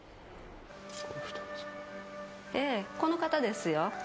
ええこの方ですよ。